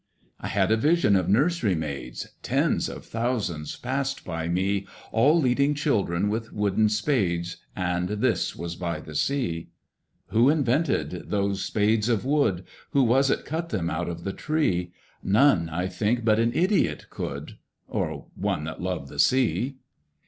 I had a vision of nursery maids; Tens of thousands passed by me— All leading children with wooden spades, And this was by the Sea. Who invented those spades of wood? Who was it cut them out of the tree? None, I think, but an idiot could— Or one that loved the Sea.